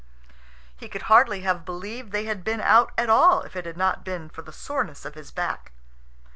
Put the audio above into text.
He could hardly have believed they had been out at all if it had not been for the soreness of his back.